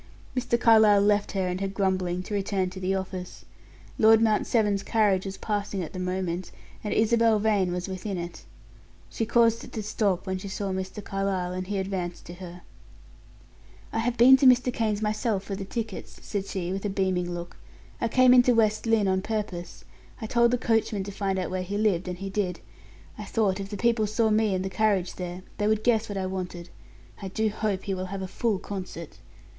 Mr. Carlyle left her and her grumbling to return to the office. Lord Mount Severn's carriage was passing at the moment, and Isabel Vane was within it. She caused it to stop when she saw Mr. Carlyle, and he advanced to her. "I have been to Mr. Kane's myself for the tickets," said she, with a beaming look. "I came into West Lynne on purpose. I told the coachman to find out where he lived, and he did. I thought if the people saw me and the carriage there, they would guess what I wanted. I do hope he will have a full concert."